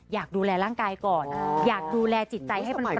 อยากดูแลร่างกายก่อนอยากดูแลจิตใจให้มันพอ